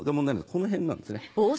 この辺なんですね。